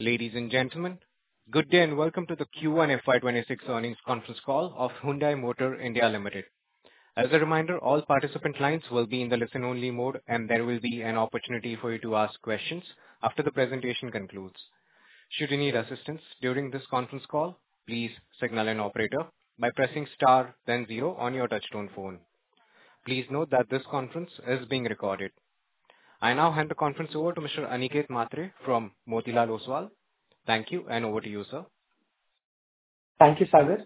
Ladies and gentlemen, good day and welcome to the Q1 FY2026 earnings conference call of Hyundai Motor India Limited. As a reminder, all participant lines will be in the listen-only mode, and there will be an opportunity for you to ask questions after the presentation concludes. Should you need assistance during this conference call, please signal an operator by pressing star then zero on your touch-tone phone. Please note that this conference is being recorded. I now hand the conference over to Mr. Aniket Mhatre from Motilal Oswal. Thank you, and over to you, sir. Thank you, Sagar.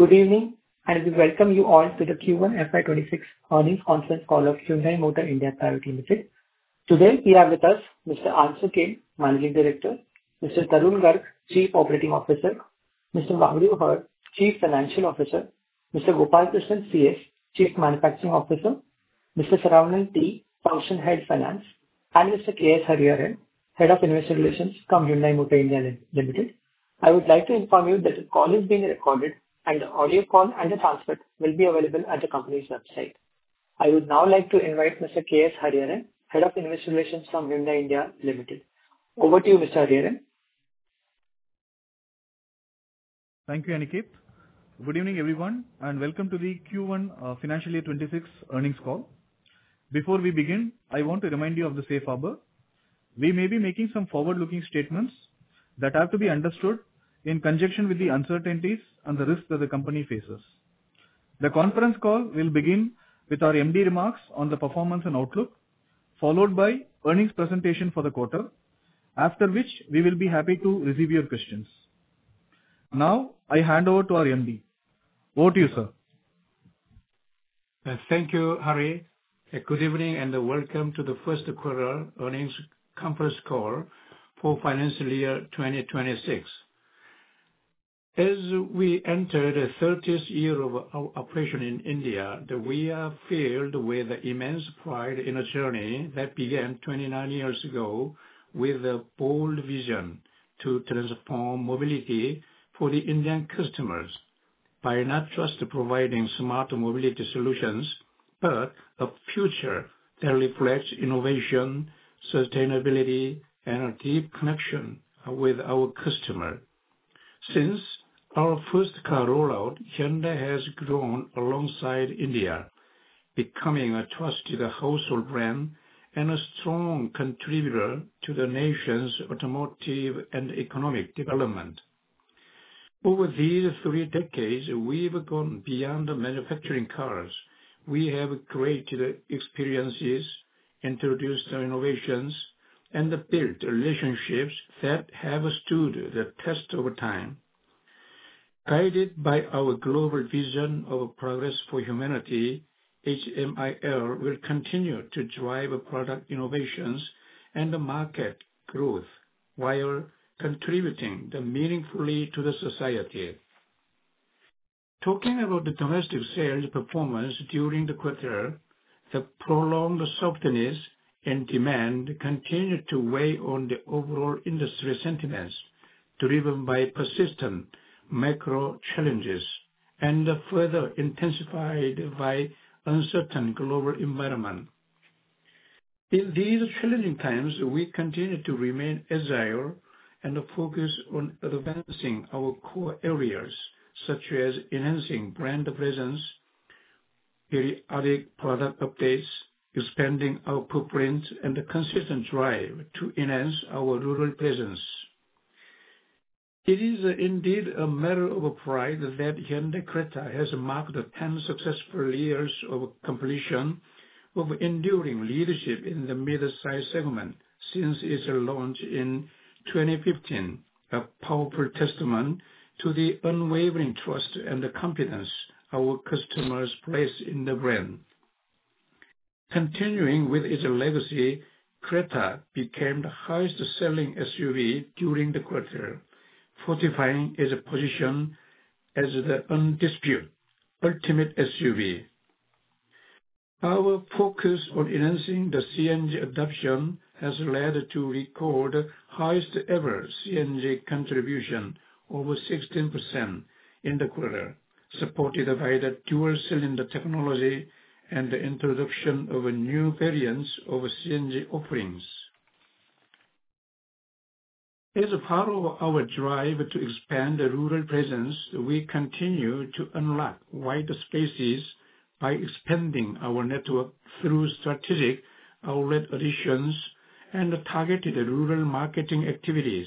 Good evening, and we welcome you all to the Q1 FY2026 earnings conference call of Hyundai Motor India Limited. Today, we have with us Mr. Unsoo Kim, Managing Director; Mr. Tarun Garg, Chief Operating Officer; Mr. Wagdo Hur, Chief Financial Officer; Mr. Gopalakrishnan CS, Chief Manufacturing Officer; Mr. Saravanan T, Function Head Finance; and Mr. KS Hariharan, Head of Investor Relations from Hyundai Motor India Limited. I would like to inform you that the call is being recorded, and the audio call and the transcript will be available at the company's website. I would now like to invite Mr. KS Hariharan, Head of Investor Relations from Hyundai Motor India Limited. Over to you, Mr. Hariharan. Thank you, Aniket. Good evening, everyone, and welcome to the Q1 Financial Year 2026 earnings call. Before we begin, I want to remind you of the safe harbor. We may be making some forward-looking statements that have to be understood in conjunction with the uncertainties and the risks that the company faces. The conference call will begin with our MD remarks on the performance and outlook, followed by earnings presentation for the quarter, after which we will be happy to receive your questions. Now, I hand over to our MD. Over to you, sir. Thank you, Hari. Good evening and welcome to the first quarter earnings conference call for Financial Year 2026. As we enter the 30th year of our operation in India, we are filled with immense pride in a journey that began 29 years ago with a bold vision to transform mobility for the Indian customers by not just providing smart mobility solutions but a future that reflects innovation, sustainability, and a deep connection with our customer. Since our first-car rollout, Hyundai has grown alongside India, becoming a trusted household brand and a strong contributor to the nation's automotive and economic development. Over these three decades, we've gone beyond manufacturing cars. We have created experiences, introduced innovations, and built relationships that have stood the test of time. Guided by our global vision of progress for humanity, HMIL will continue to drive product innovations and market growth while contributing meaningfully to the society. Talking about the domestic sales performance during the quarter, the prolonged softness in demand continued to weigh on the overall industry sentiments driven by persistent macro challenges and further intensified by the uncertain global environment. In these challenging times, we continue to remain agile and focus on advancing our core areas such as enhancing brand presence, periodic product updates, expanding our footprint, and a consistent drive to enhance our rural presence. It is indeed a matter of pride that Hyundai Creta has marked 10 successful years of completion of enduring leadership in the midsize segment since its launch in 2015, a powerful testament to the unwavering trust and confidence our customers place in the brand. Continuing with its legacy, Creta became the highest-selling SUV during the quarter, fortifying its position as the undisputed ultimate SUV. Our focus on enhancing the CNG adoption has led to record highest-ever CNG contribution, over 16%, in the quarter, supported by the dual-cylinder technology and the introduction of new variants of CNG offerings. As part of our drive to expand rural presence, we continue to unlock wider spaces by expanding our network through strategic outlet additions and targeted rural marketing activities.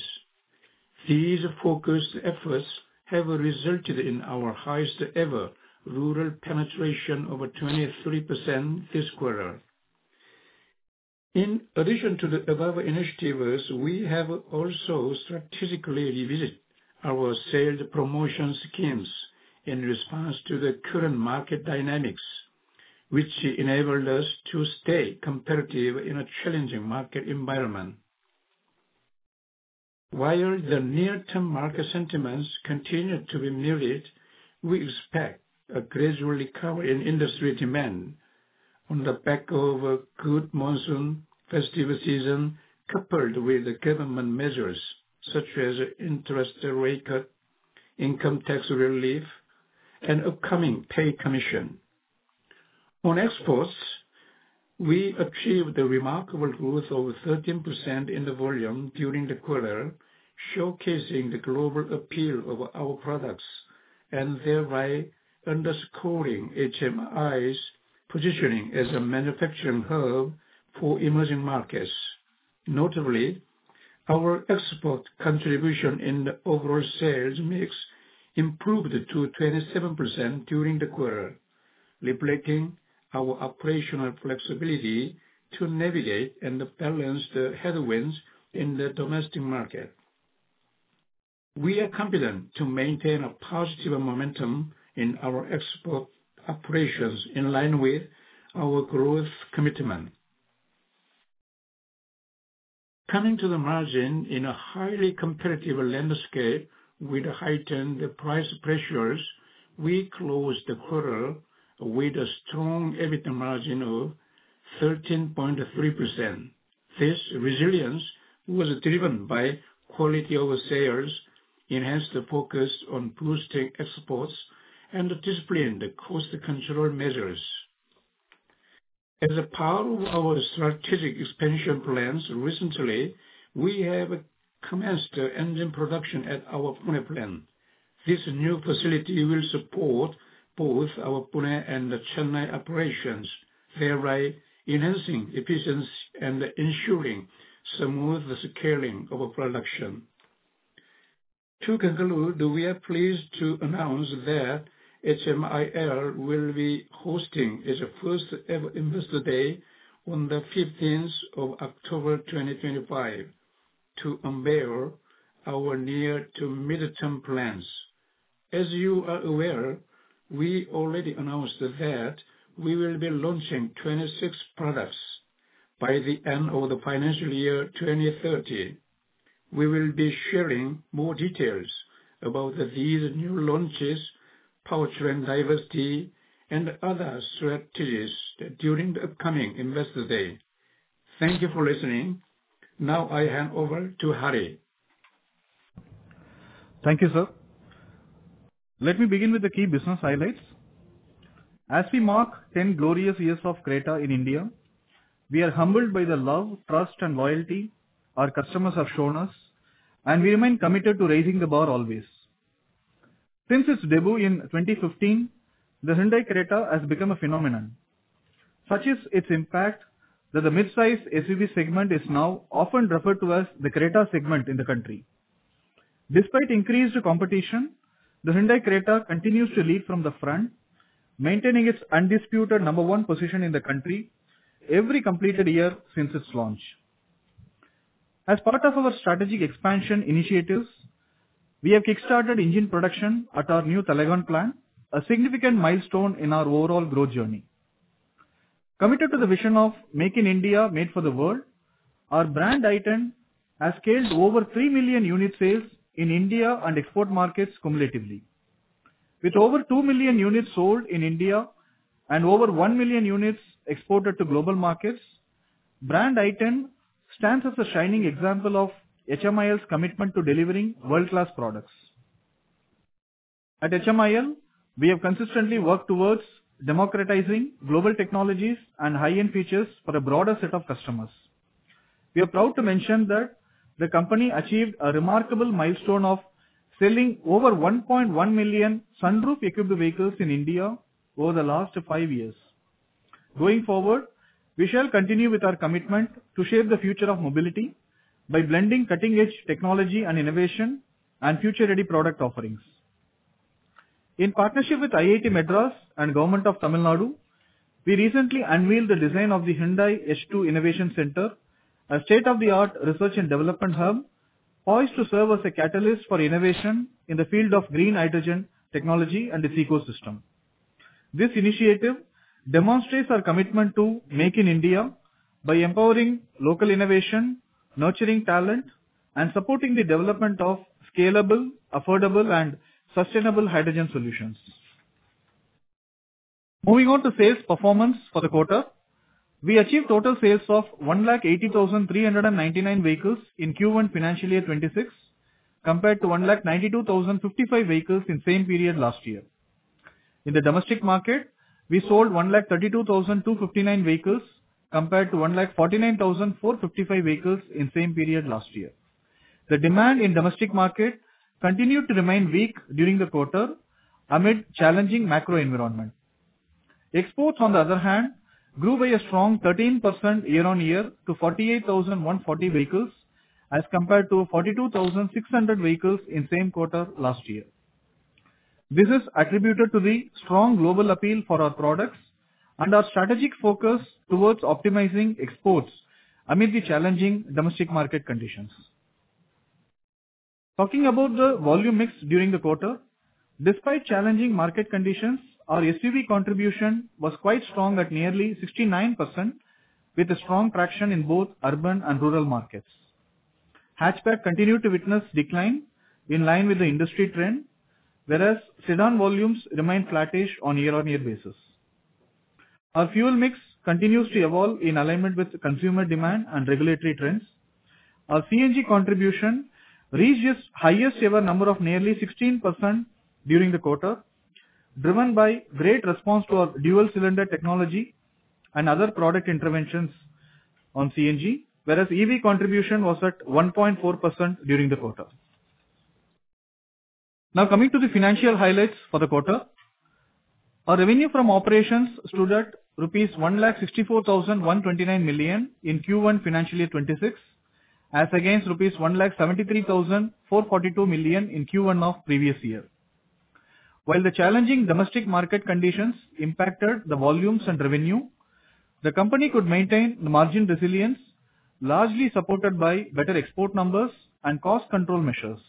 These focused efforts have resulted in our highest-ever rural penetration of 23% this quarter. In addition to the above initiatives, we have also strategically revisited our sales promotion schemes in response to the current market dynamics, which enabled us to stay competitive in a challenging market environment. While the near-term market sentiments continue to be muted, we expect a gradual recovery in industry demand on the back of a good monsoon festive season, coupled with government measures such as interest rate cuts, income tax relief, and the upcoming pay commission. On exports, we achieved a remarkable growth of 13% in the volume during the quarter, showcasing the global appeal of our products and thereby underscoring HMIL's positioning as a manufacturing hub for emerging markets. Notably, our export contribution in the overall sales mix improved to 27% during the quarter, reflecting our operational flexibility to navigate and balance the headwinds in the domestic market. We are confident to maintain a positive momentum in our export operations in line with our growth commitment. Coming to the margin, in a highly competitive landscape with heightened price pressures, we closed the quarter with a strong EBITDA margin of 13.3%. This resilience was driven by quality of sales, enhanced focus on boosting exports, and disciplined cost control measures. As part of our strategic expansion plans, recently we have commenced engine production at our Pune plant. This new facility will support both our Pune and Chennai operations, thereby enhancing efficiency and ensuring smooth scaling of production. To conclude, we are pleased to announce that HMIL will be hosting its first-ever Investor Day on the 15th of October 2025 to unveil our near-to-midterm plans. As you are aware, we already announced that we will be launching 26 products by the end of the financial year 2030. We will be sharing more details about these new launches, powertrain diversity, and other strategies during the upcoming Investor Day. Thank you for listening. Now, I hand over to Hari. Thank you, sir. Let me begin with the key business highlights. As we mark 10 glorious years of Creta in India, we are humbled by the love, trust, and loyalty our customers have shown us, and we remain committed to raising the bar always. Since its debut in 2015, the Hyundai Creta has become a phenomenon, such is its impact that the midsize SUV segment is now often referred to as the Creta segment in the country. Despite increased competition, the Hyundai Creta continues to lead from the front, maintaining its undisputed number one position in the country every completed year since its launch. As part of our strategic expansion initiatives, we have kickstarted engine production at our new Talegaon plant, a significant milestone in our overall growth journey. Committed to the vision of "Make in India Made for the World," our brand has scaled over 3 million unit sales in India and export markets cumulatively. With over 2 million units sold in India and over 1 million units exported to global markets, our brand stands as a shining example of HMIL's commitment to delivering world-class products. At HMIL, we have consistently worked towards democratizing global technologies and high-end features for a broader set of customers. We are proud to mention that the company achieved a remarkable milestone of selling over 1.1 million sunroof-equipped vehicles in India over the last five years. Going forward, we shall continue with our commitment to shape the future of mobility by blending cutting-edge technology and innovation and future-ready product offerings. In partnership with IIT Madras and the Government of Tamil Nadu, we recently unveiled the design of the Hyundai H2 Innovation Center, a state-of-the-art research and development hub poised to serve as a catalyst for innovation in the field of green hydrogen technology and its ecosystem. This initiative demonstrates our commitment to "Make in India" by empowering local innovation, nurturing talent, and supporting the development of scalable, affordable, and sustainable hydrogen solutions. Moving on to sales performance for the quarter, we achieved total sales of 180,399 vehicles in Q1 Financial Year 2026, compared to 192,055 vehicles in the same period last year. In the domestic market, we sold 132,259 vehicles compared to 149,455 vehicles in the same period last year. The demand in the domestic market continued to remain weak during the quarter amid challenging macro environment. Exports, on the other hand, grew by a strong 13% year-on-year to 48,140 vehicles as compared to 42,600 vehicles in the same quarter last year. This is attributed to the strong global appeal for our products and our strategic focus towards optimizing exports amid the challenging domestic market conditions. Talking about the volume mix during the quarter, despite challenging market conditions, our SUV contribution was quite strong at nearly 69%, with strong traction in both urban and rural markets. Hatchback continued to witness decline in line with the industry trend, whereas sedan volumes remained flattish on a year-on-year basis. Our fuel mix continues to evolve in alignment with consumer demand and regulatory trends. Our CNG contribution reached its highest-ever number of nearly 16% during the quarter, driven by great response to our dual-cylinder technology and other product interventions on CNG, whereas EV contribution was at 1.4% during the quarter. Now, coming to the financial highlights for the quarter. Our revenue from operations stood at rupees 1,64,129 million in Q1 Financial Year 2026, as against rupees 1,73,442 million in Q1 of the previous year. While the challenging domestic market conditions impacted the volumes and revenue, the company could maintain margin resilience, largely supported by better export numbers and cost control measures.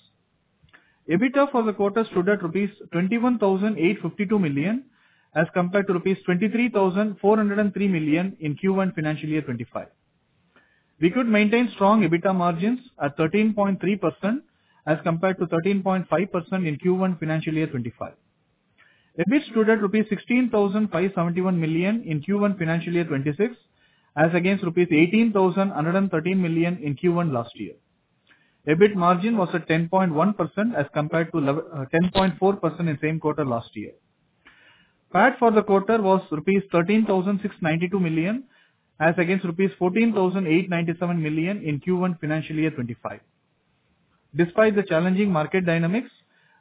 EBITDA for the quarter stood at rupees 21,852 million as compared to rupees 23,403 million in Q1 Financial Year 2025. We could maintain strong EBITDA margins at 13.3% as compared to 13.5% in Q1 Financial Year 2025. EBIT stood at rupees 16,571 million in Q1 Financial Year 2026, as against rupees 18,113 million in Q1 last year. EBIT margin was at 10.1% as compared to 10.4% in the same quarter last year. PAT for the quarter was rupees 13,692 million as against rupees 14,897 million in Q1 Financial Year 2025. Despite the challenging market dynamics,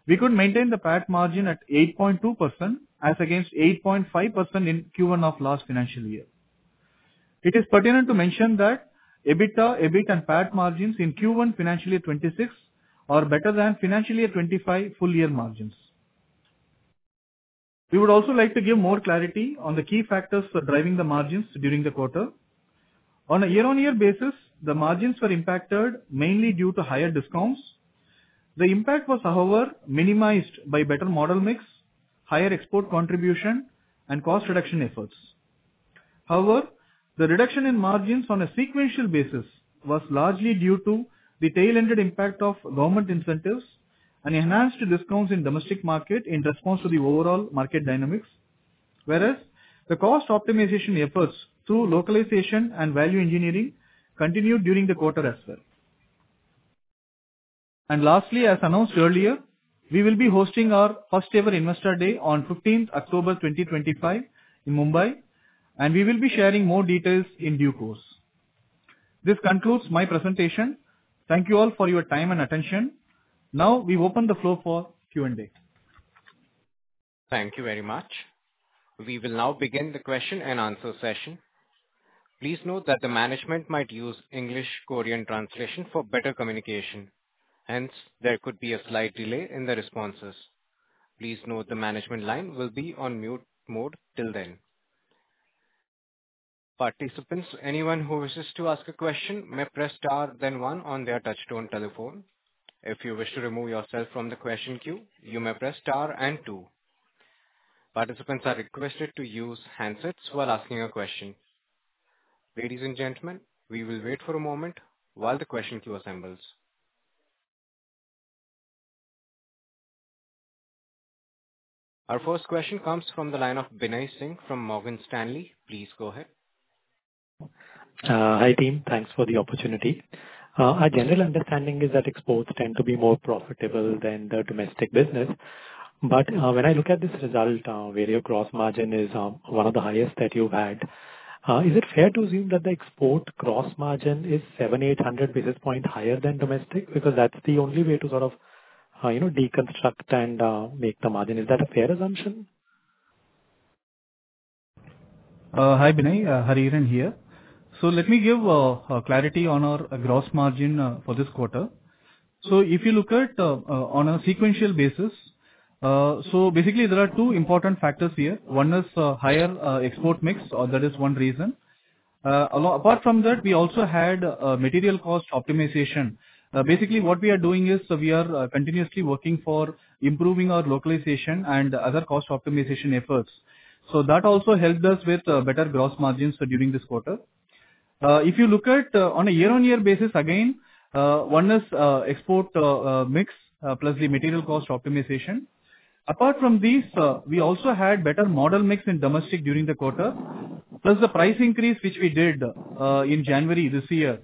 we could maintain the PAT margin at 8.2% as against 8.5% in Q1 of last financial year. It is pertinent to mention that EBITDA, EBIT, and PAT margins in Q1 Financial Year 2026 are better than Financial Year 2025 full-year margins. We would also like to give more clarity on the key factors driving the margins during the quarter. On a year-on-year basis, the margins were impacted mainly due to higher discounts. The impact was, however, minimized by better model mix, higher export contribution, and cost reduction efforts. However, the reduction in margins on a sequential basis was largely due to the tail-ended impact of government incentives and enhanced discounts in the domestic market in response to the overall market dynamics, whereas the cost optimization efforts through localization and value engineering continued during the quarter as well. Lastly, as announced earlier, we will be hosting our first-ever Investor Day on 15th October 2025 in Mumbai, and we will be sharing more details in due course. This concludes my presentation. Thank you all for your time and attention. Now, we open the floor for Q&A. Thank you very much. We will now begin the question-and-answer session. Please note that the management might use English-Korean translation for better communication. Hence, there could be a slight delay in the responses. Please note the management line will be on mute mode till then. Participants, anyone who wishes to ask a question may press star then one on their touchstone telephone. If you wish to remove yourself from the question queue, you may press star and two. Participants are requested to use handsets while asking a question. Ladies and gentlemen, we will wait for a moment while the question queue assembles. Our first question comes from the line of Binay Singh from Morgan Stanley. Please go ahead. Hi, team. Thanks for the opportunity. Our general understanding is that exports tend to be more profitable than the domestic business. But when I look at this result, various gross margin is one of the highest that you've had. Is it fair to assume that the export gross margin is 7,800 basis points higher than domestic because that's the only way to sort of deconstruct and make the margin? Is that a fair assumption? Hi, Binay. Hariharan here. Let me give clarity on our gross margin for this quarter. If you look at on a sequential basis, basically, there are two important factors here. One is higher export mix, that is one reason. Apart from that, we also had material cost optimization. Basically, what we are doing is we are continuously working for improving our localization and other cost optimization efforts. That also helped us with better gross margins during this quarter. If you look at on a year-on-year basis, again, one is export mix plus the material cost optimization. Apart from these, we also had better model mix in domestic during the quarter, plus the price increase which we did in January this year.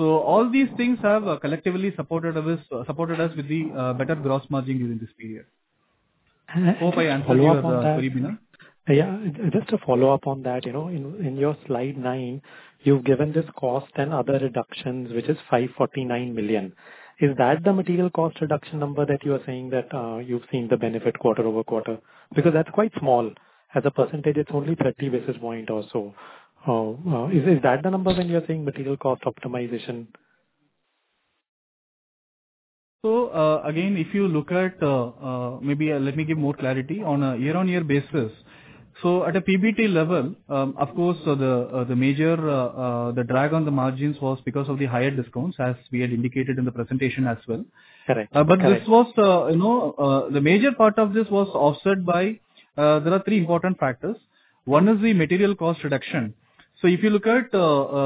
All these things have collectively supported us with the better gross margin during this period. I hope I answered your question, Binay. Yeah, just to follow up on that, in your slide nine, you've given this cost and other reductions, which is 549 million. Is that the material cost reduction number that you are saying that you've seen the benefit quarter over quarter? Because that's quite small. As a percentage, it's only 30 basis points or so. Is that the number when you're saying material cost optimization? If you look at, maybe let me give more clarity on a year-on-year basis. At a PBT level, of course, the major drag on the margins was because of the higher discounts, as we had indicated in the presentation as well. This was, the major part of this was offset by, there are three important factors. One is the material cost reduction. If you look at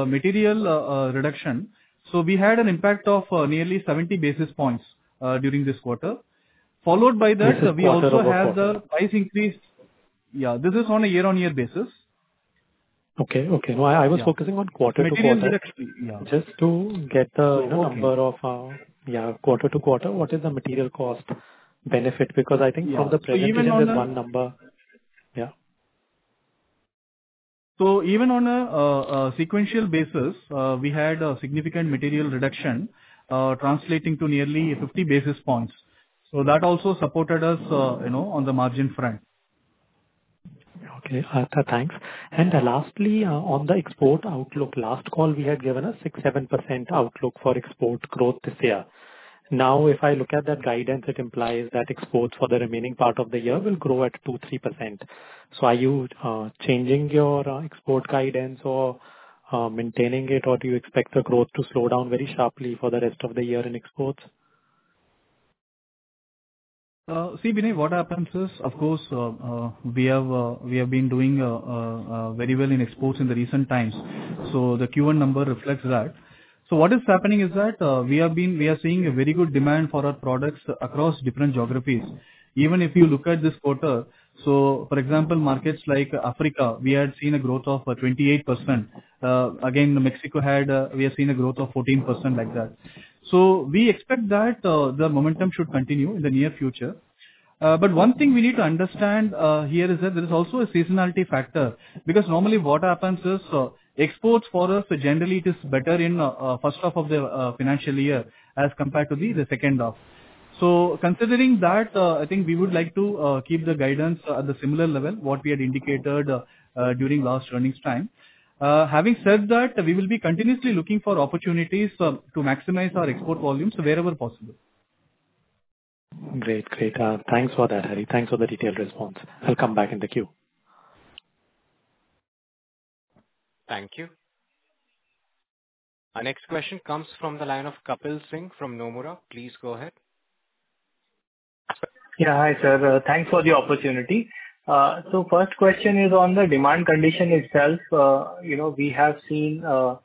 material reduction, we had an impact of nearly 70 basis points during this quarter. Followed by that, we also had the price increase. Yeah, this is on a year-on-year basis. Okay, okay. No, I was focusing on quarter to quarter. Material reduction. Just to get the number of quarter to quarter, what is the material cost benefit? Because I think from the present, there's one number. Yeah. Even on a sequential basis, we had a significant material reduction translating to nearly 50 basis points. That also supported us on the margin front. Okay, thanks. Lastly, on the export outlook, last call we had given a 6-7% outlook for export growth this year. Now, if I look at that guidance, it implies that exports for the remaining part of the year will grow at 2-3%. Are you changing your export guidance or maintaining it, or do you expect the growth to slow down very sharply for the rest of the year in exports? See, Binay, what happens is, of course, we have been doing very well in exports in the recent times. The Q1 number reflects that. What is happening is that we are seeing a very good demand for our products across different geographies. Even if you look at this quarter, for example, markets like Africa, we had seen a growth of 28%. Again, Mexico, we have seen a growth of 14%, like that. We expect that the momentum should continue in the near future. One thing we need to understand here is that there is also a seasonality factor. Normally what happens is exports for us, generally, it is better in the first half of the financial year as compared to the second half. Considering that, I think we would like to keep the guidance at the similar level we had indicated during last earnings time. Having said that, we will be continuously looking for opportunities to maximize our export volumes wherever possible. Great, great. Thanks for that, Hari. Thanks for the detailed response. I'll come back in the queue. Thank you. Our next question comes from the line of Kapil Singh from Nomura. Please go ahead. Yeah, hi sir. Thanks for the opportunity. First question is on the demand condition itself. We have seen a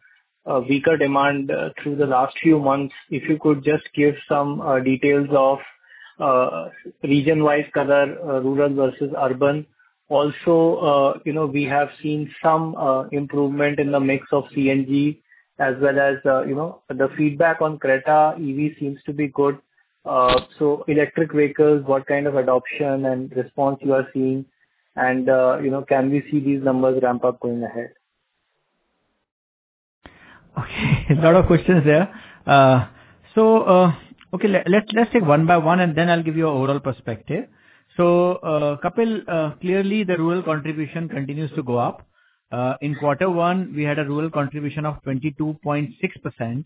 weaker demand through the last few months. If you could just give some details of region-wise color, rural versus urban. Also, we have seen some improvement in the mix of CNG as well as the feedback on Creta EV seems to be good. Electric vehicles, what kind of adoption and response are you seeing? Can we see these numbers ramp up going ahead? Okay, a lot of questions there. Okay, let's take one by one, and then I'll give you an overall perspective. Kapil, clearly, the rural contribution continues to go up. In quarter one, we had a rural contribution of 22.6%.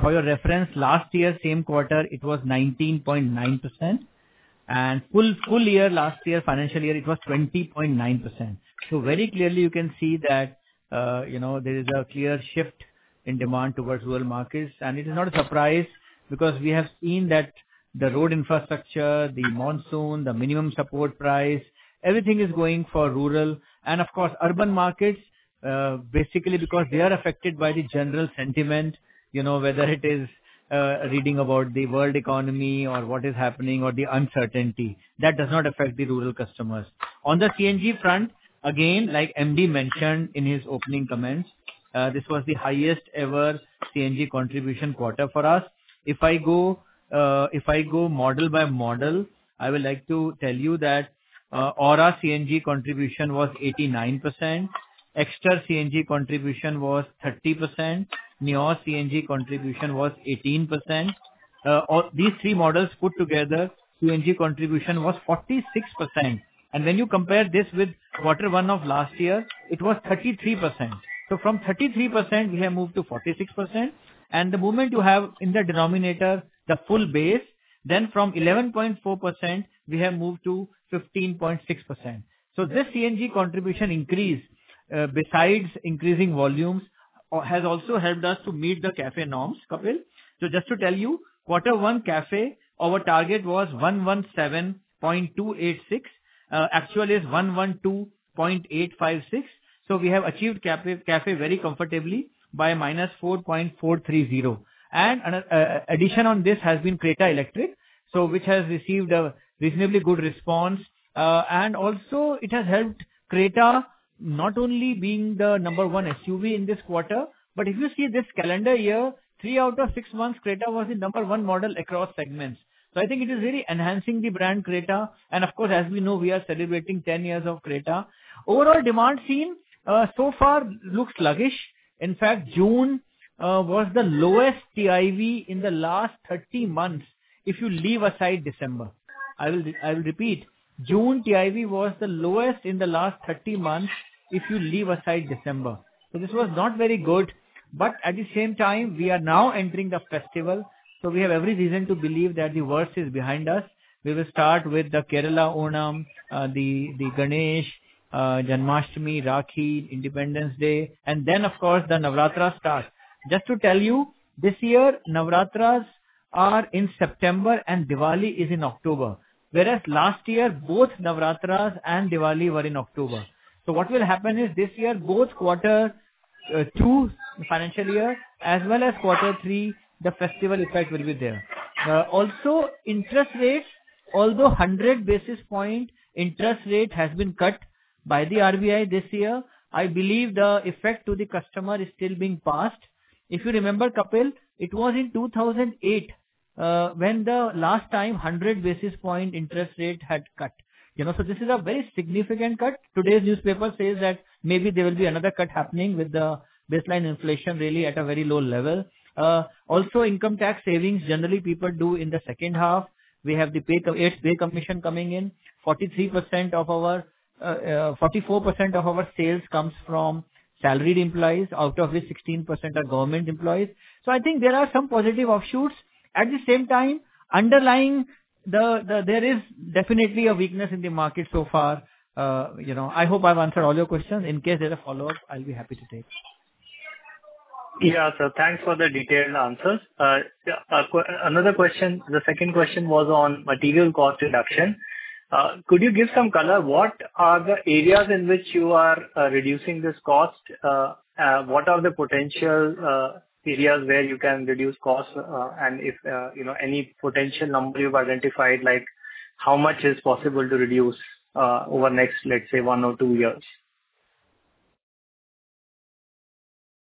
For your reference, last year, same quarter, it was 19.9%. Full year last year, financial year, it was 20.9%. Very clearly, you can see that there is a clear shift in demand towards rural markets. It is not a surprise because we have seen that the road infrastructure, the monsoon, the minimum support price, everything is going for rural. Of course, urban markets, basically because they are affected by the general sentiment, whether it is reading about the world economy or what is happening or the uncertainty, that does not affect the rural customers. On the CNG front, again, like MD mentioned in his opening comments, this was the highest-ever CNG contribution quarter for us. If I go model by model, I would like to tell you that Aura CNG contribution was 89%. Exter CNG contribution was 30%. Nios CNG contribution was 18%. These three models put together, CNG contribution was 46%. When you compare this with quarter one of last year, it was 33%. From 33%, we have moved to 46%. The moment you have in the denominator the full base, then from 11.4%, we have moved to 15.6%. This CNG contribution increase, besides increasing volumes, has also helped us to meet the CAFE norms, Kapil. Just to tell you, quarter one CAFE our target was 117.286. Actual is 112.856. We have achieved CAFE very comfortably by minus 4.430. An addition on this has been Creta Electric, which has received a reasonably good response. Also, it has helped Creta not only being the number one SUV in this quarter, but if you see this calendar year, three out of six months, Creta was the number one model across segments. I think it is really enhancing the brand Creta. Of course, as we know, we are celebrating 10 years of Creta. Overall demand seen so far looks sluggish. In fact, June was the lowest TIV in the last 30 months if you leave aside December. I will repeat, June TIV was the lowest in the last 30 months if you leave aside December. This was not very good. At the same time, we are now entering the festival. We have every reason to believe that the worst is behind us. We will start with the Kerala Onam, the Ganesh, Janmashtami, Rakhi, Independence Day, and then, of course, the Navratra start. Just to tell you, this year, Navratras are in September and Diwali is in October. Whereas last year, both Navratras and Diwali were in October. What will happen is this year, both quarter two, financial year, as well as quarter three, the festival effect will be there. Also, interest rates, although 100 basis point interest rate has been cut by the RBI this year, I believe the effect to the customer is still being passed. If you remember, Kapil, it was in 2008 when the last time 100 basis point interest rate had cut. This is a very significant cut. Today's newspaper says that maybe there will be another cut happening with the baseline inflation really at a very low level. Also, income tax savings, generally people do in the second half. We have the pay commission coming in. 43% of our, 44% of our sales comes from salaried employees, out of which 16% are government employees. I think there are some positive offshoots. At the same time, underlying, there is definitely a weakness in the market so far. I hope I've answered all your questions. In case there are follow-ups, I'll be happy to take. Yeah, so thanks for the detailed answers. Another question, the second question was on material cost reduction. Could you give some color? What are the areas in which you are reducing this cost? What are the potential areas where you can reduce costs? And if any potential number you've identified, like how much is possible to reduce over next, let's say, one or two years?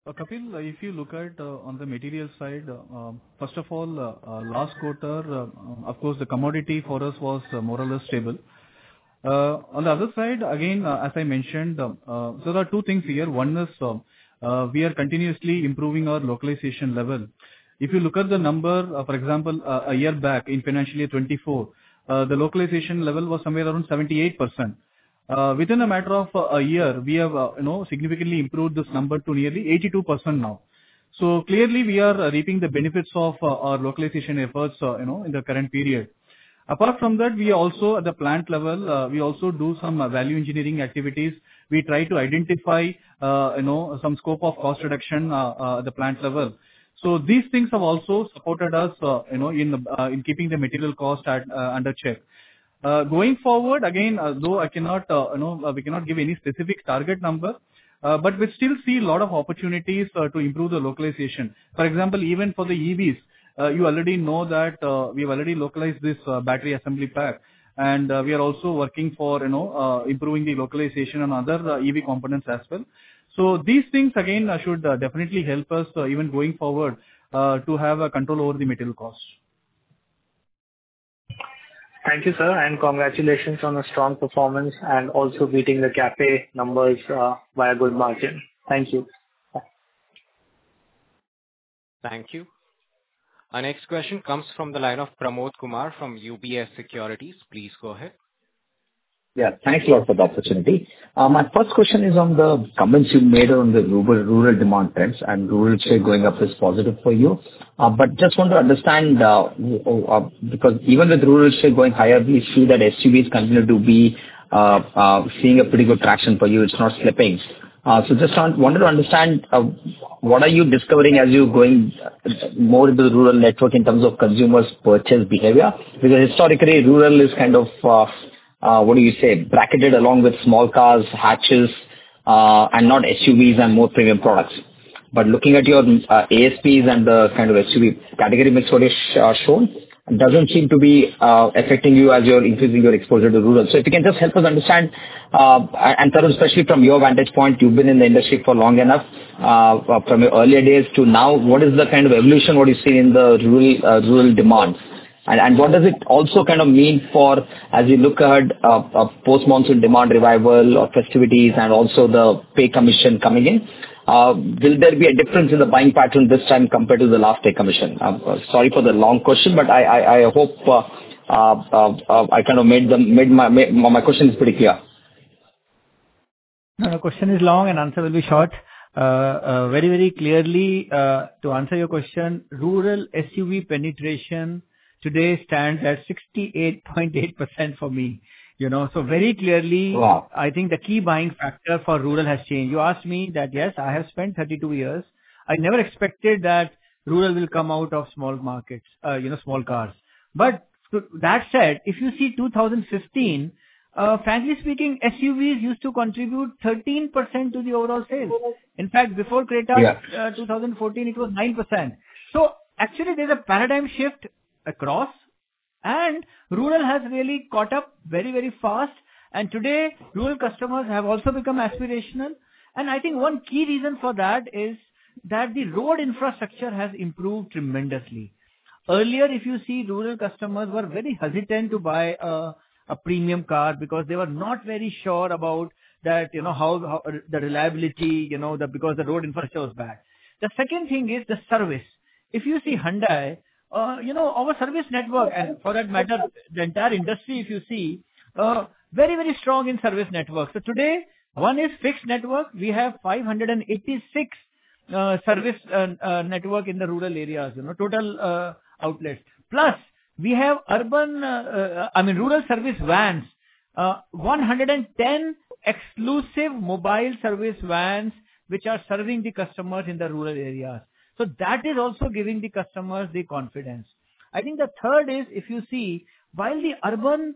Kapil, if you look at on the material side, first of all, last quarter, of course, the commodity for us was more or less stable. On the other side, again, as I mentioned, there are two things here. One is, we are continuously improving our localization level. If you look at the number, for example, a year back in financial year 2024, the localization level was somewhere around 78%. Within a matter of a year, we have significantly improved this number to nearly 82% now. Clearly, we are reaping the benefits of our localization efforts in the current period. Apart from that, at the plant level, we also do some value engineering activities. We try to identify some scope of cost reduction at the plant level. These things have also supported us in keeping the material cost under check. Going forward, again, though I cannot give any specific target number, we still see a lot of opportunities to improve the localization. For example, even for the EVs, you already know that we have already localized this battery assembly pack. We are also working for improving the localization in other EV components as well. These things, again, should definitely help us even going forward to have a control over the material cost. Thank you, sir. Congratulations on a strong performance and also beating the CAFE numbers by a good margin. Thank you. Thank you. Our next question comes from the line of Pramod Kumar from UBS Securities. Please go ahead. Yeah, thanks a lot for the opportunity. My first question is on the comments you made on the rural demand trends. Rural share going up is positive for you. Just want to understand, because even with rural share going higher, we see that SUVs continue to be seeing pretty good traction for you. It's not slipping. Just wanted to understand, what are you discovering as you're going more into the rural network in terms of consumers' purchase behavior? Because historically, rural is kind of, what do you say, bracketed along with small cars, hatches, and not SUVs and more premium products. Looking at your ASPs and the kind of SUV category mix you have shown, it doesn't seem to be affecting you as you're increasing your exposure to rural. If you can just help us understand, especially from your vantage point, you've been in the industry for long enough. From your earlier days to now, what is the kind of evolution you've seen in the rural demand? What does it also mean for, as you look ahead, post-monsoon demand revival or festivities and also the pay commission coming in? Will there be a difference in the buying pattern this time compared to the last pay commission? Sorry for the long question, but I hope I kind of made my questions pretty clear. The question is long, and the answer will be short. Very, very clearly, to answer your question, rural SUV penetration today stands at 68.8% for me. Very clearly, I think the key buying factor for rural has changed. You asked me that, yes, I have spent 32 years. I never expected that rural will come out of small markets, small cars. That said, if you see 2015, frankly speaking, SUVs used to contribute 13% to the overall sales. In fact, before Creta 2014, it was 9%. Actually, there is a paradigm shift across, and rural has really caught up very, very fast. Today, rural customers have also become aspirational. I think one key reason for that is that the road infrastructure has improved tremendously. Earlier, if you see, rural customers were very hesitant to buy a premium car because they were not very sure about the reliability because the road infrastructure was bad. The second thing is the service. If you see Hyundai, our service network, and for that matter, the entire industry, if you see, very, very strong in service network. Today, one is fixed network. We have 586 service network in the rural areas, total outlets. Plus, we have urban, I mean, rural service vans, 110 exclusive mobile service vans which are serving the customers in the rural areas. That is also giving the customers the confidence. I think the third is, if you see, while the urban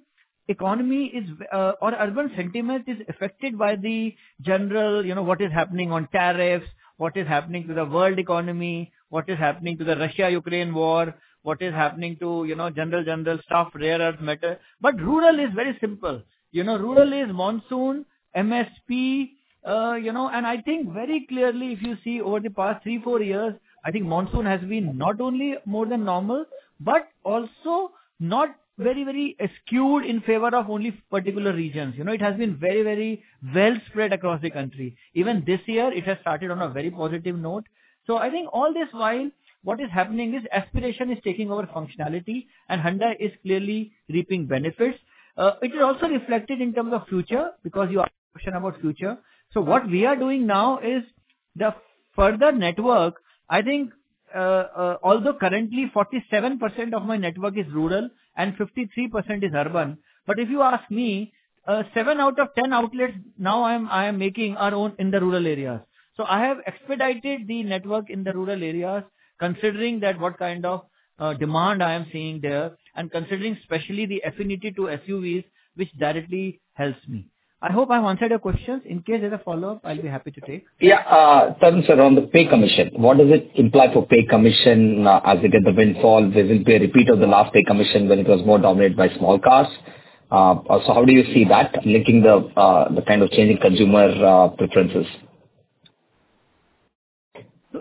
economy is or urban sentiment is affected by the general, what is happening on tariffs, what is happening to the world economy, what is happening to the Russia-Ukraine war, what is happening to general, general stuff, rare earth matter. Rural is very simple. Rural is monsoon, MSP. I think very clearly, if you see over the past three, four years, I think monsoon has been not only more than normal, but also not very, very skewed in favor of only particular regions. It has been very, very well spread across the country. Even this year, it has started on a very positive note. I think all this while, what is happening is aspiration is taking over functionality, and Hyundai is clearly reaping benefits. It is also reflected in terms of future because you asked the question about future. What we are doing now is the further network, I think. Although currently 47% of my network is rural and 53% is urban, if you ask me, seven out of 10 outlets now I am making are in the rural areas. I have expedited the network in the rural areas, considering what kind of demand I am seeing there and considering especially the affinity to SUVs, which directly helps me. I hope I've answered your questions. In case there's a follow-up, I'll be happy to take. Yeah, Tarun sir, on the pay commission, what does it imply for pay commission as it is the windfall? There will be a repeat of the last pay commission when it was more dominated by small cars. How do you see that linking the kind of changing consumer preferences?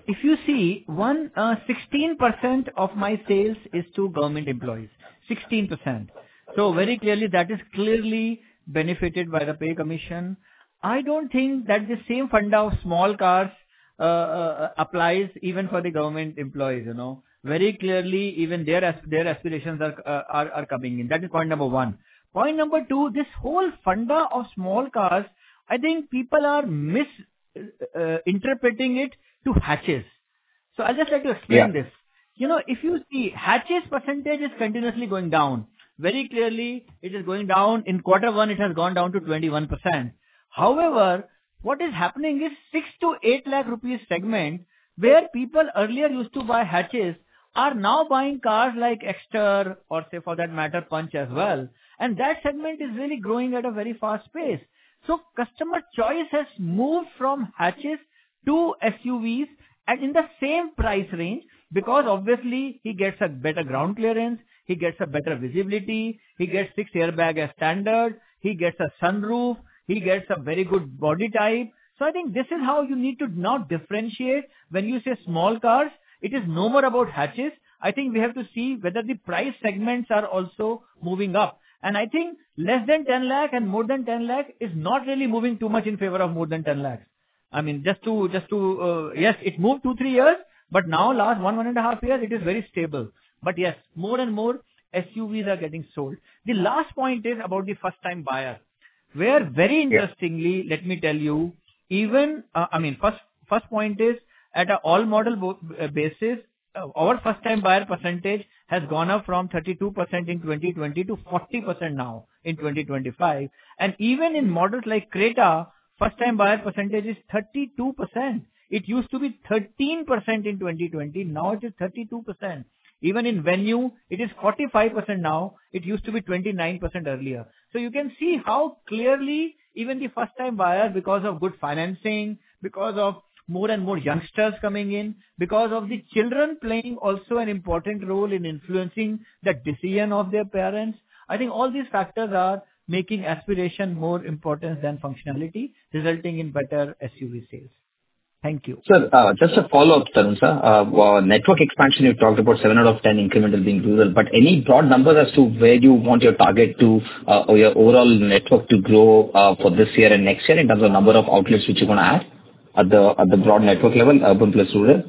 If you see, 16% of my sales is to government employees. 16%. Very clearly, that is clearly benefited by the pay commission. I do not think that the same fund of small cars applies even for the government employees. Very clearly, even their aspirations are coming in. That is point number one. Point number two, this whole fund of small cars, I think people are misinterpreting it to hatches. I would just like to explain this. If you see, hatches percentage is continuously going down. Very clearly, it is going down. In quarter one, it has gone down to 21%. However, what is happening is the 600,000-800,000 rupees segment, where people earlier used to buy hatches, are now buying cars like Exter or, say, for that matter, Punch as well. That segment is really growing at a very fast pace. Customer choice has moved from hatches to SUVs and in the same price range because obviously, he gets better ground clearance, he gets better visibility, he gets six airbags as standard, he gets a sunroof, he gets a very good body type. I think this is how you need to now differentiate when you say small cars. It is no more about hatches. I think we have to see whether the price segments are also moving up. I think less than 1,000,000 and more than 1,000,000 is not really moving too much in favor of more than 1,000,000. I mean, yes, it moved two-three years, but now, last one, one and a half years, it is very stable. Yes, more and more SUVs are getting sold. The last point is about the first-time buyers, where very interestingly, let me tell you, even, I mean, first point is at an all-model basis, our first-time buyer percentage has gone up from 32% in 2020 to 40% now in 2025. Even in models like Creta, first-time buyer percentage is 32%. It used to be 13% in 2020. Now it is 32%. Even in Venue, it is 45% now. It used to be 29% earlier. You can see how clearly even the first-time buyers, because of good financing, because of more and more youngsters coming in, because of the children playing also an important role in influencing the decision of their parents, I think all these factors are making aspiration more important than functionality, resulting in better SUV sales. Thank you. Sir, just a follow-up, Tarun sir. Network expansion, you talked about seven out of 10 incremental being rural. But any broad numbers as to where you want your target to or your overall network to grow for this year and next year in terms of number of outlets which you're going to add at the broad network level, urban plus rural?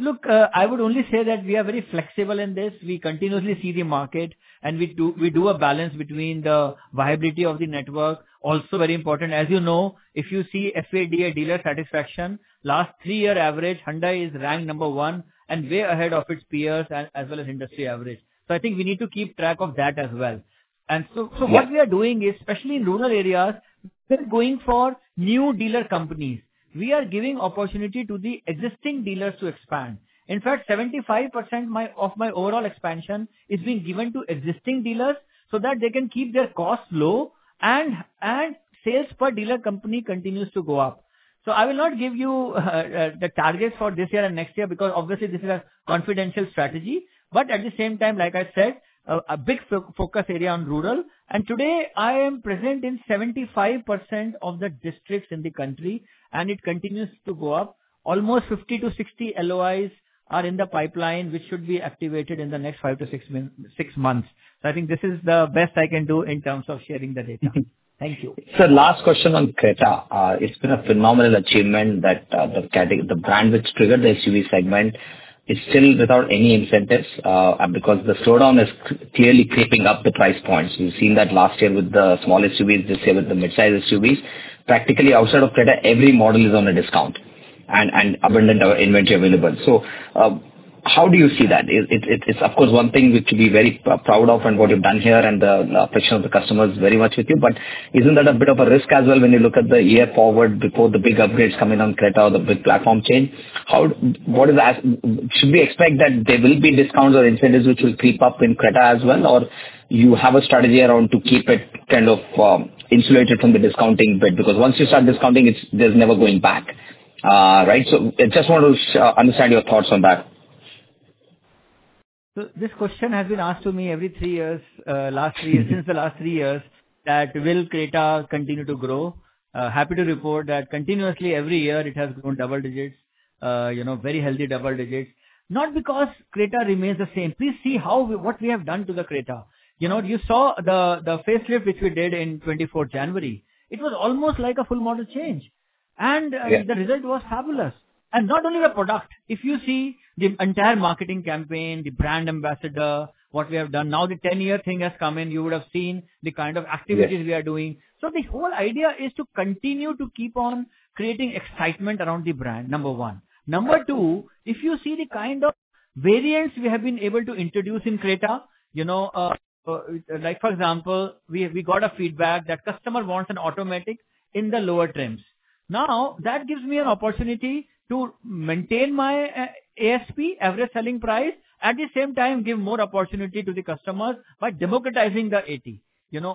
Look, I would only say that we are very flexible in this. We continuously see the market, and we do a balance between the viability of the network. Also, very important, as you know, if you see FADA dealer satisfaction, last three-year average, Hyundai is ranked number one and way ahead of its peers as well as industry average. I think we need to keep track of that as well. What we are doing is, especially in rural areas, we're going for new dealer companies. We are giving opportunity to the existing dealers to expand. In fact, 75% of my overall expansion is being given to existing dealers so that they can keep their costs low and sales per dealer company continues to go up. I will not give you the targets for this year and next year because obviously, this is a confidential strategy. At the same time, like I said, a big focus area on rural. Today, I am present in 75% of the districts in the country, and it continues to go up. Almost 50-60 LOIs are in the pipeline, which should be activated in the next five to six months. I think this is the best I can do in terms of sharing the data. Thank you. Sir, last question on Creta. It's been a phenomenal achievement that the brand which triggered the SUV segment is still without any incentives because the slowdown is clearly creeping up the price points. We've seen that last year with the small SUVs, this year with the mid-size SUVs. Practically, outside of Creta, every model is on a discount and abundant inventory available. How do you see that? It's, of course, one thing which we're very proud of and what you've done here and the affection of the customers very much with you. But isn't that a bit of a risk as well when you look at the year forward before the big upgrades coming on Creta or the big platform change? Should we expect that there will be discounts or incentives which will creep up in Creta as well, or do you have a strategy around to keep it kind of insulated from the discounting bit? Because once you start discounting, there's never going back. Right? I just want to understand your thoughts on that. This question has been asked to me every three years, since the last three years, that will Creta continue to grow? Happy to report that continuously, every year, it has grown double digits, very healthy double digits. Not because Creta remains the same. Please see what we have done to the Creta. You saw the facelift which we did in 2024 January. It was almost like a full model change. The result was fabulous. Not only the product. If you see the entire marketing campaign, the brand ambassador, what we have done, now the 10-year thing has come in, you would have seen the kind of activities we are doing. The whole idea is to continue to keep on creating excitement around the brand, number one. Number two, if you see the kind of variants we have been able to introduce in Creta. For example, we got a feedback that customer wants an automatic in the lower trims. That gives me an opportunity to maintain my ASP, average selling price, at the same time, give more opportunity to the customers by democratizing the 80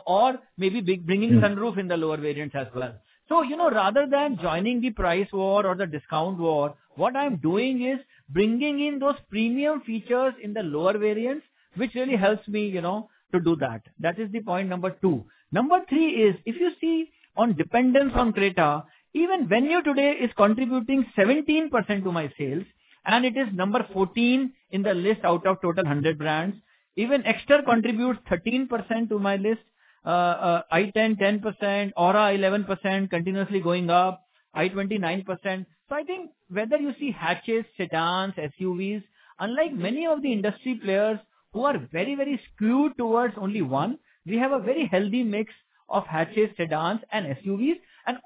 or maybe bringing sunroof in the lower variants as well. Rather than joining the price war or the discount war, what I am doing is bringing in those premium features in the lower variants, which really helps me to do that. That is the point number two. Number three is, if you see on dependence on Creta, even Venue today is contributing 17% to my sales, and it is number 14 in the list out of total 100 brands. Even Exter contributes 13% to my list. i10, 10%, Aura 11%, continuously going up, i20 9%. I think whether you see hatches, sedans, SUVs, unlike many of the industry players who are very, very skewed towards only one, we have a very healthy mix of hatches, sedans, and SUVs.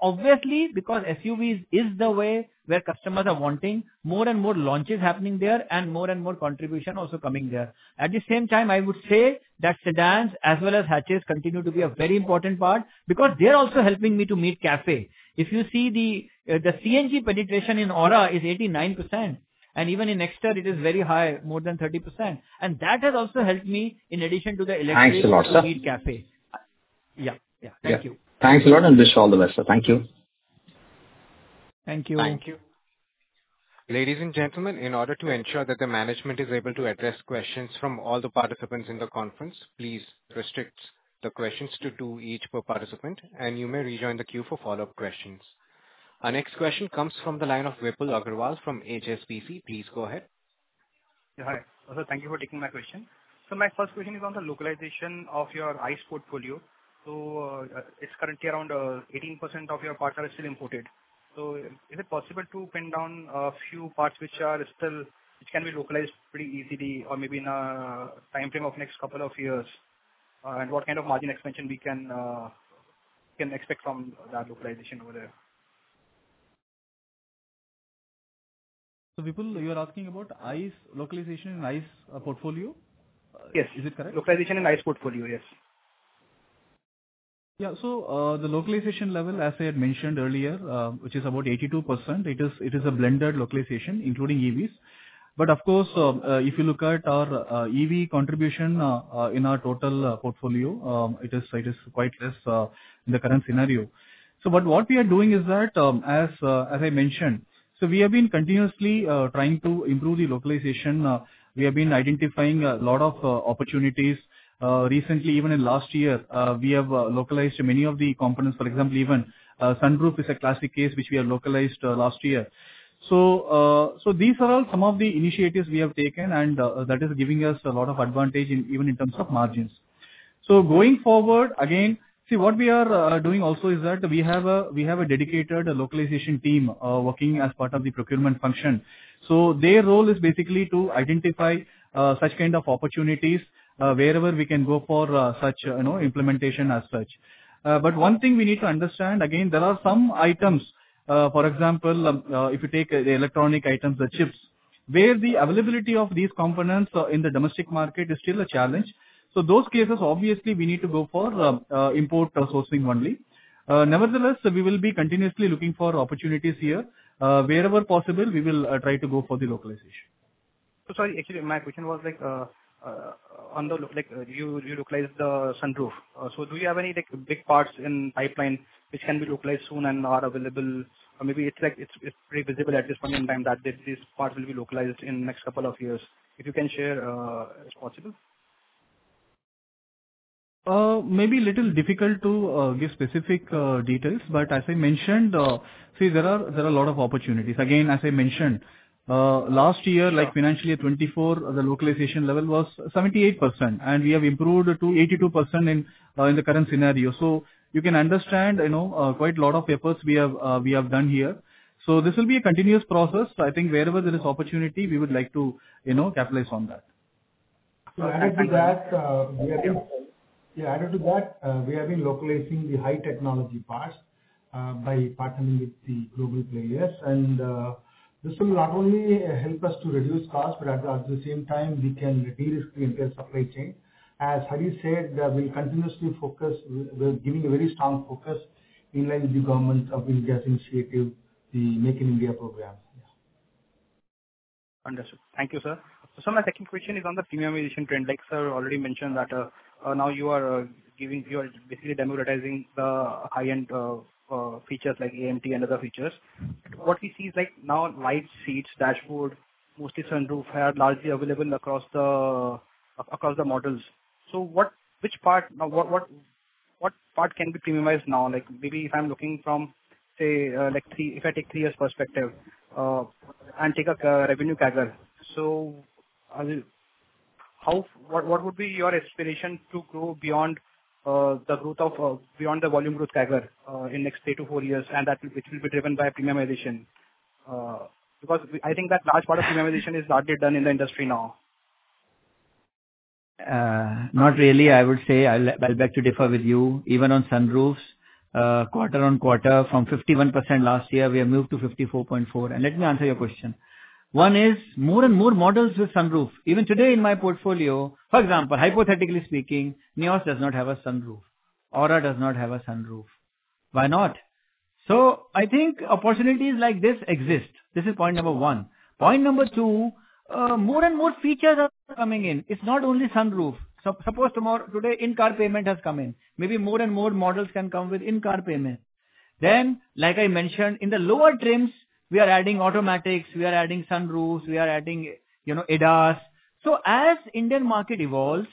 Obviously, because SUVs is the way where customers are wanting, more and more launches happening there and more and more contribution also coming there. At the same time, I would say that sedans as well as hatches continue to be a very important part because they are also helping me to meet CAFE. If you see the CNG penetration in Aura is 89%, and even in Exter, it is very high, more than 30%. That has also helped me in addition to the electric to meet CAFE. Thanks a lot, sir. Yeah. Yeah. Thank you. Thanks a lot, and wish you all the best, sir. Thank you. Thank you. Thank you. Ladies and gentlemen, in order to ensure that the management is able to address questions from all the participants in the conference, please restrict the questions to two each per participant, and you may rejoin the queue for follow-up questions. Our next question comes from the line of Vipul Agrawal from HSBC. Please go ahead. Yeah. Hi. Also, thank you for taking my question. My first question is on the localization of your ICE portfolio. It's currently around 18% of your parts are still imported. Is it possible to pin down a few parts which can be localized pretty easily or maybe in a time frame of next couple of years? What kind of margin expansion can we expect from that localization over there? Vipul, you are asking about localization in ICE portfolio? Yes. Is it correct? Localization in ICE portfolio, yes. Yeah. The localization level, as I had mentioned earlier, which is about 82%, it is a blended localization, including EVs. Of course, if you look at our EV contribution in our total portfolio, it is quite less in the current scenario. What we are doing is that, as I mentioned, we have been continuously trying to improve the localization. We have been identifying a lot of opportunities. Recently, even in last year, we have localized many of the components. For example, even sunroof is a classic case which we have localized last year. These are all some of the initiatives we have taken, and that is giving us a lot of advantage even in terms of margins. Going forward, again, see, what we are doing also is that we have a dedicated localization team working as part of the procurement function. Their role is basically to identify such kind of opportunities wherever we can go for such implementation as such. One thing we need to understand, again, there are some items, for example, if you take the electronic items, the chips, where the availability of these components in the domestic market is still a challenge. In those cases, obviously, we need to go for import sourcing only. Nevertheless, we will be continuously looking for opportunities here. Wherever possible, we will try to go for the localization. Sorry, actually, my question was on the, you localized the sunroof. Do you have any big parts in pipeline which can be localized soon and are available? Or maybe it's pretty visible at this point in time that these parts will be localized in the next couple of years. If you can share, possible? Maybe a little difficult to give specific details, but as I mentioned, see, there are a lot of opportunities. Again, as I mentioned, last year, financially, in 2024, the localization level was 78%, and we have improved to 82% in the current scenario. So you can understand quite a lot of efforts we have done here. This will be a continuous process. I think wherever there is opportunity, we would like to capitalize on that. Added to that, we have been. Yeah. Added to that, we have been localizing the high technology parts by partnering with the global players. This will not only help us to reduce costs, but at the same time, we can de-risk the entire supply chain. As Hari said, we will continuously focus, we are giving a very strong focus in line with the government of India's initiative, the Make in India program. Yeah. Understood. Thank you, sir. My second question is on the premiumization trend. Like sir already mentioned that now you are basically democratizing the high-end. Features like AMT and other features. What we see is now light seats, dashboard, mostly sunroof, are largely available across the models. Which part can be premiumized now? Maybe if I'm looking from, say, if I take three years' perspective and take a revenue CAGR. What would be your aspiration to grow beyond the volume growth CAGR in the next three to four years, which will be driven by premiumization? I think that large part of premiumization is largely done in the industry now. Not really. I would say I'll beg to differ with you. Even on sunroofs, quarter on quarter, from 51% last year, we have moved to 54.4%. Let me answer your question. One is more and more models with sunroof. Even today, in my portfolio, for example, hypothetically speaking, Grand i10 Nios does not have a sunroof. Aura does not have a sunroof. Why not? I think opportunities like this exist. This is point number one. Point number two, more and more features are coming in. It's not only sunroof. Suppose tomorrow, today, in-car payment has come in. Maybe more and more models can come with in-car payment. Like I mentioned, in the lower trims, we are adding automatics. We are adding sunroofs. We are adding ADAS. As the Indian market evolves,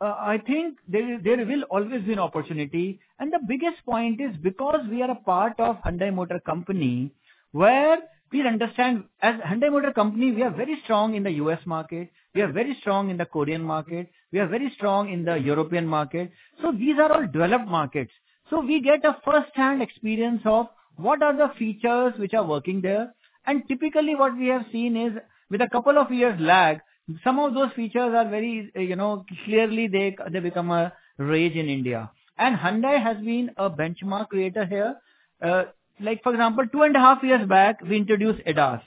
I think there will always be an opportunity. The biggest point is because we are a part of Hyundai Motor Company. We understand, as Hyundai Motor Company, we are very strong in the U.S. market. We are very strong in the Korean market. We are very strong in the European market. These are all developed markets. We get a first-hand experience of what are the features which are working there. Typically, what we have seen is, with a couple of years' lag, some of those features very clearly become a rage in India. Hyundai has been a benchmark creator here. For example, two and a half years back, we introduced ADAS.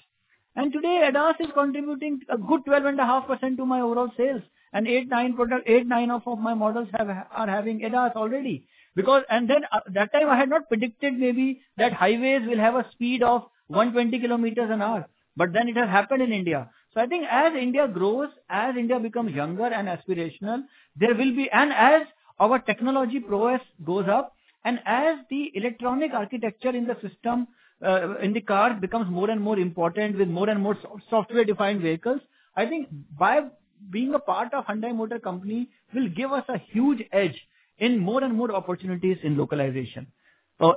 Today, ADAS is contributing a good 12.5% to my overall sales. Eight, nine of my models are having ADAS already. At that time, I had not predicted maybe that highways will have a speed of 120 km an hour. It has happened in India. I think as India grows, as India becomes younger and aspirational, there will be—as our technology prowess goes up, and as the electronic architecture in the system, in the car, becomes more and more important with more and more software-defined vehicles, I think being a part of Hyundai Motor Company will give us a huge edge in more and more opportunities in localization,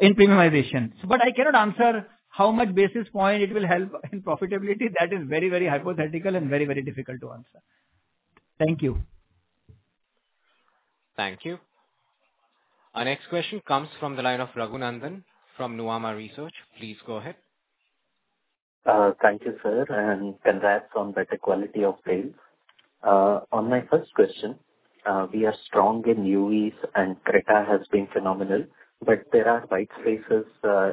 in premiumization. I cannot answer how much basis point it will help in profitability. That is very, very hypothetical and very, very difficult to answer. Thank you. Thank you. Our next question comes from the line of Raghunandhan from Nuvama Research. Please go ahead. Thank you, sir. And congrats on better quality of sales. On my first question, we are strong in UVs, and Creta has been phenomenal. But there are white spaces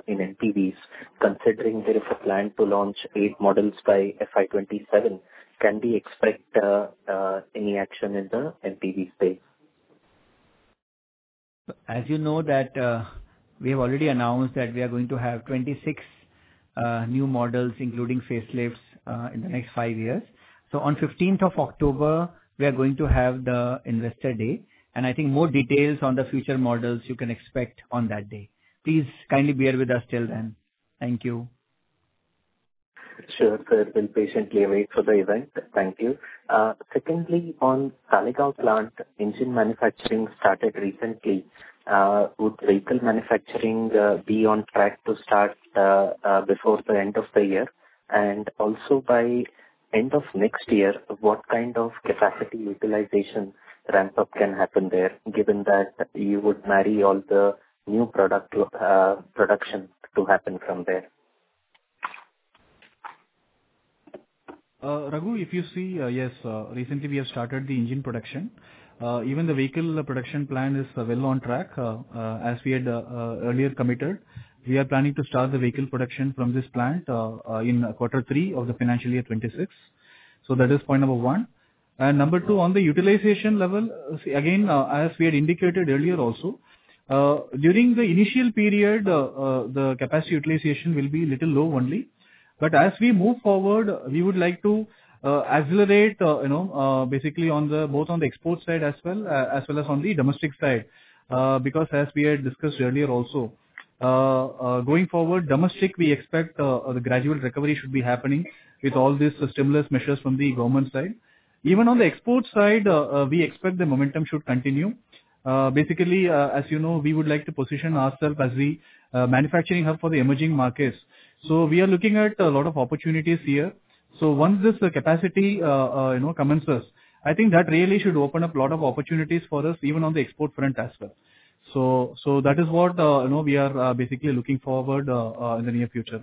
in MPVs. Considering there is a plan to launch eight models by FY 2027, can we expect any action in the MPV space? As you know that we have already announced that we are going to have 26 new models, including facelifts, in the next five years. On 15th of October, we are going to have the investor day. I think more details on the future models you can expect on that day. Please kindly bear with us till then. Thank you. Sure. I've been patiently waiting for the event. Thank you. Secondly, on Talegaon plant, engine manufacturing started recently. Would vehicle manufacturing be on track to start before the end of the year? Also, by end of next year, what kind of capacity utilization ramp-up can happen there, given that you would marry all the new production to happen from there? Raghu, if you see, yes, recently we have started the engine production. Even the vehicle production plan is well on track. As we had earlier committed, we are planning to start the vehicle production from this plant in quarter three of the financial year 2026. That is point number one. Number two, on the utilization level, again, as we had indicated earlier also, during the initial period, the capacity utilization will be a little low only. As we move forward, we would like to accelerate, basically both on the export side as well as on the domestic side. As we had discussed earlier also, going forward, domestic, we expect the gradual recovery should be happening with all these stimulus measures from the government side. Even on the export side, we expect the momentum should continue. Basically, as you know, we would like to position ourselves as the manufacturing hub for the emerging markets. We are looking at a lot of opportunities here. Once this capacity commences, I think that really should open up a lot of opportunities for us, even on the export front as well. That is what we are basically looking forward to in the near future.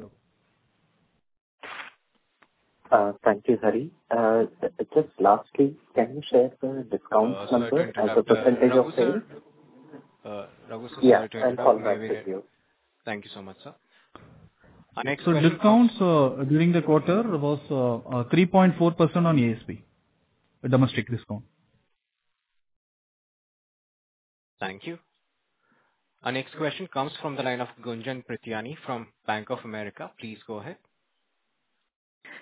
Thank you, Hari. Just lastly, can you share the discount number as a percentage of sales? Yeah. I'll follow back with you. Thank you so much, sir. Our next question. Discounts during the quarter was 3.4% on ASP, a domestic discount. Thank you. Our next question comes from the line of Gunjan Prithyani from Bank of America. Please go ahead.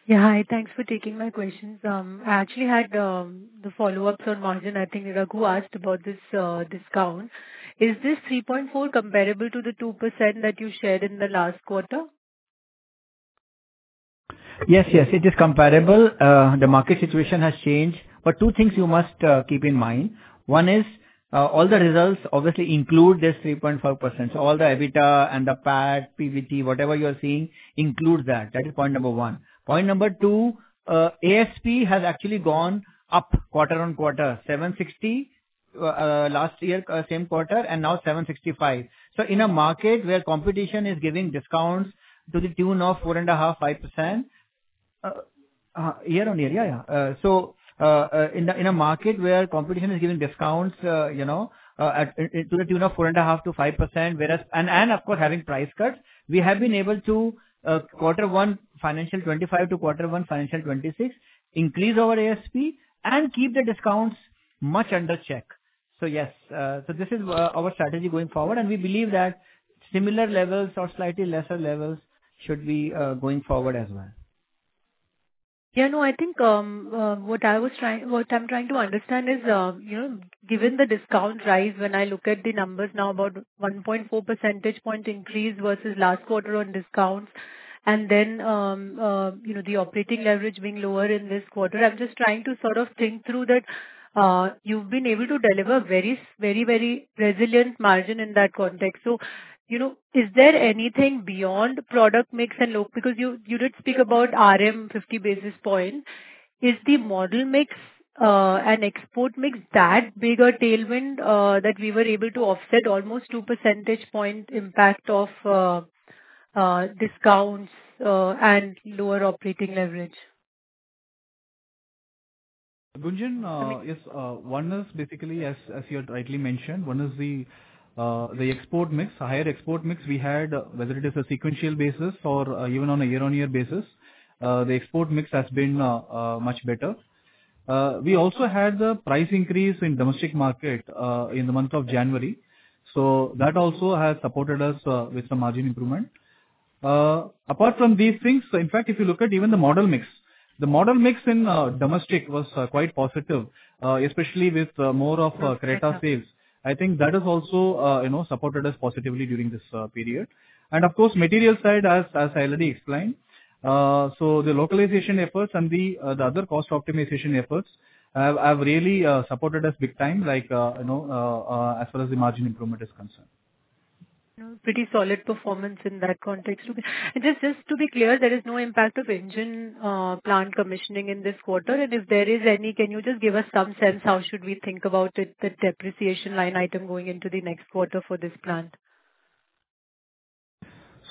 Yeah. Hi. Thanks for taking my questions. I actually had the follow-ups on margin. I think Raghu asked about this discount. Is this 3.4% comparable to the 2% that you shared in the last quarter? Yes, yes. It is comparable. The market situation has changed. But two things you must keep in mind. One is all the results obviously include this 3.5%. So all the EBITDA and the PAT, PVT, whatever you are seeing, include that. That is point number one. Point number two, ASP has actually gone up quarter on quarter, 760. Last year, same quarter, and now 765. In a market where competition is giving discounts to the tune of 4.5%. Year on year, yeah, yeah. In a market where competition is giving discounts to the tune of 4.5%-5%, and of course having price cuts, we have been able to quarter one financial 2025 to quarter one financial 2026, increase our ASP and keep the discounts much under check. Yes. This is our strategy going forward. We believe that similar levels or slightly lesser levels should be going forward as well. Yeah. No, I think what I'm trying to understand is. Given the discount rise, when I look at the numbers now, about 1.4 percentage point increase versus last quarter on discounts, and then. The operating leverage being lower in this quarter, I'm just trying to sort of think through that. You've been able to deliver very, very resilient margin in that context. Is there anything beyond product mix and look? Because you did speak about RM 50 basis point. Is the model mix and export mix that big a tailwind that we were able to offset almost 2 percentage point impact of. Discounts and lower operating leverage? Gunjan, yes. One is basically, as you had rightly mentioned, one is the export mix. Higher export mix we had, whether it is a sequential basis or even on a year-on-year basis, the export mix has been much better. We also had the price increase in domestic market in the month of January. That also has supported us with the margin improvement. Apart from these things, in fact, if you look at even the model mix, the model mix in domestic was quite positive, especially with more of Creta sales. I think that has also supported us positively during this period. Of course, material side, as I already explained, the localization efforts and the other cost optimization efforts have really supported us big time as far as the margin improvement is concerned. Pretty solid performance in that context. Just to be clear, there is no impact of engine plant commissioning in this quarter. If there is any, can you just give us some sense how should we think about the depreciation line item going into the next quarter for this plant?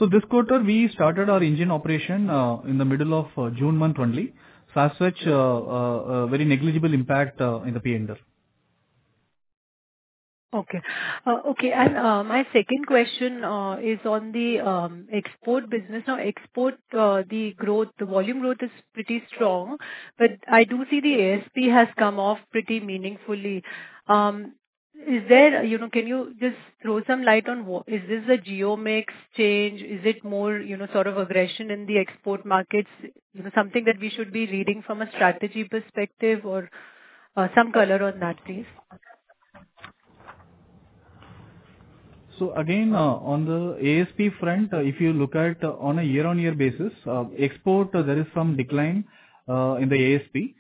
This quarter, we started our engine operation in the middle of June month only. As such, a very negligible impact in the P&L. Okay. Okay. My second question is on the export business. Now, export, the volume growth is pretty strong. I do see the ASP has come off pretty meaningfully. Can you just throw some light on, is this a geo mix change? Is it more sort of aggression in the export markets? Something that we should be reading from a strategy perspective, or some color on that, please. Again, on the ASP front, if you look at on a year-on-year basis, export, there is some decline in the ASP.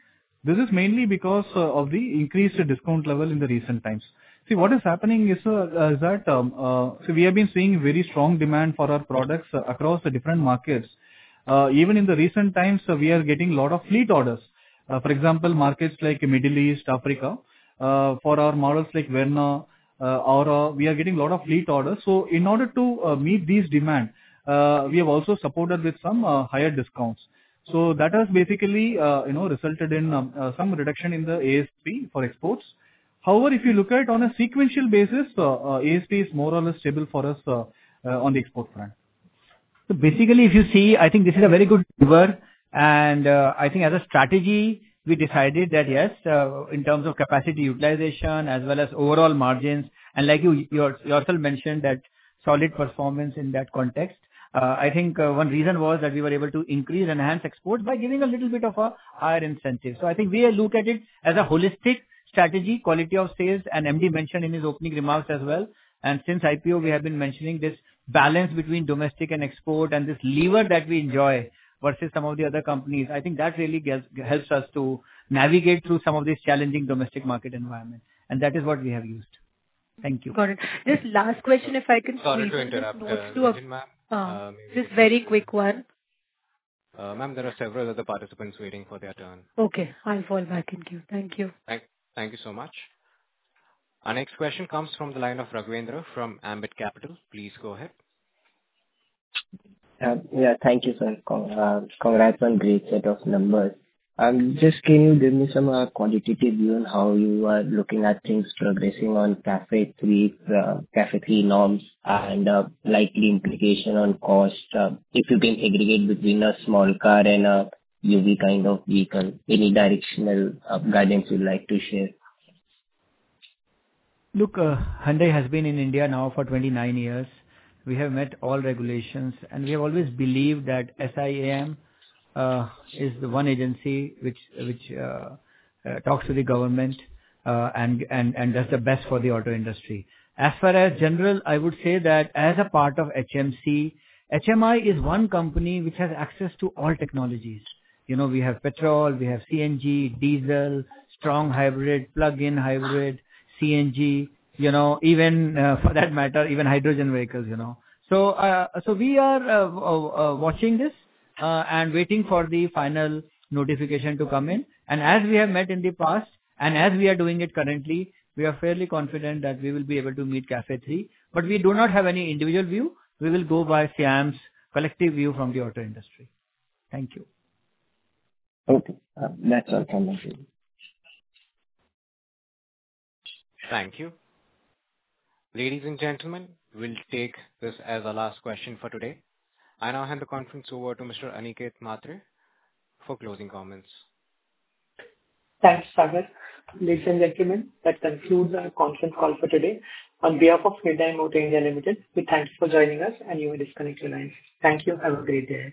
This is mainly because of the increased discount level in recent times. See, what is happening is that we have been seeing very strong demand for our products across the different markets. Even in recent times, we are getting a lot of fleet orders. For example, markets like Middle East, Africa, for our models like Verna, Aura, we are getting a lot of fleet orders. In order to meet these demands, we have also supported with some higher discounts. That has basically resulted in some reduction in the ASP for exports. However, if you look at it on a sequential basis, ASP is more or less stable for us on the export front. Basically, if you see, I think this is a very good lever. I think as a strategy, we decided that, yes, in terms of capacity utilization as well as overall margins, and like you yourself mentioned, that solid performance in that context, I think one reason was that we were able to increase and enhance exports by giving a little bit of a higher incentive. I think we look at it as a holistic strategy, quality of sales, and MD mentioned in his opening remarks as well. Since IPO, we have been mentioning this balance between domestic and export and this lever that we enjoy versus some of the other companies. I think that really helps us to navigate through some of these challenging domestic market environments. That is what we have used. Thank you. Got it. Just last question, if I can speak to. Sorry to interrupt. Just very quick one. Ma'am, there are several other participants waiting for their turn. Okay. I'll fall back in queue. Thank you. Thank you so much. Our next question comes from the line of Raghvendra from Ambit Capital. Please go ahead. Yeah. Thank you, sir. Congrats on great set of numbers. Just can you give me some quantitative view on how you are looking at things progressing on CAFE-III norms and likely implication on cost if you can segregate between a small car and a UV kind of vehicle? Any directional guidance you'd like to share? Look, Hyundai has been in India now for 29 years. We have met all regulations. We have always believed that SIAM is the one agency which talks to the government and does the best for the auto industry. As far as general, I would say that as a part of HMC, HMI is one company which has access to all technologies. We have petrol, we have CNG, diesel, strong hybrid, plug-in hybrid, CNG, even for that matter, even hydrogen vehicles. We are watching this and waiting for the final notification to come in. As we have met in the past, and as we are doing it currently, we are fairly confident that we will be able to meet CAFE-III. We do not have any individual view. We will go by SIAM's collective view from the auto industry. Thank you. Okay. Next item on the table. Thank you. Ladies and gentlemen, we'll take this as our last question for today. I now hand the conference over to Mr. Aniket Mhatre for closing comments. Thanks, Sagar. Ladies and gentlemen, that concludes our conference call for today. On behalf of Hyundai Motor India Limited, we thank you for joining us and you may disconnect your lines. Thank you. Have a great day.